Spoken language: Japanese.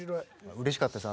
うれしかったです